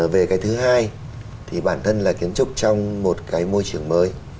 về cái thứ hai thì bản thân là kiến trúc trong một cái môi trường mới